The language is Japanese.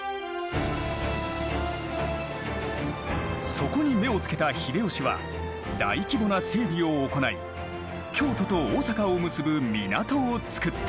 そこに目を付けた秀吉は大規模な整備を行い京都と大坂を結ぶ港を造った。